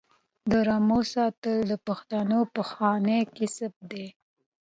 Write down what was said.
د رمو ساتل د پښتنو پخوانی کسب دی.